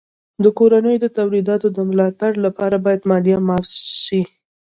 د کورنیو تولیداتو د ملا تړ لپاره باید مالیه معاف سي.